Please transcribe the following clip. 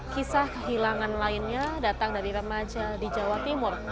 kisah kehilangan lainnya datang dari remaja di jawa timur